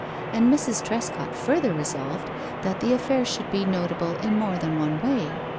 And Mrs. Trescott further resolved that the affair should be notable in more than one way.